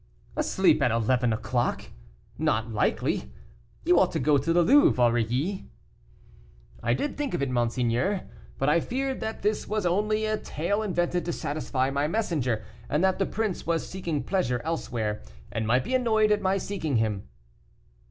"Asleep at eleven o'clock! not likely. You ought to go to the Louvre, Aurilly." "I did think of it, monseigneur, but I feared that this was only a tale invented to satisfy my messenger, and that the prince was seeking pleasure elsewhere, and might be annoyed at my seeking him."